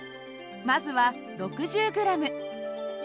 まずは６０ｇ。